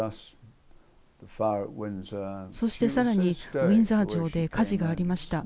そして更に、ウィンザー城で火事がありました。